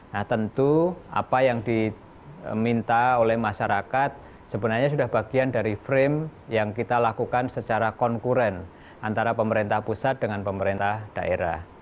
nah tentu apa yang diminta oleh masyarakat sebenarnya sudah bagian dari frame yang kita lakukan secara konkuren antara pemerintah pusat dengan pemerintah daerah